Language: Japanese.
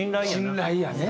信頼やね！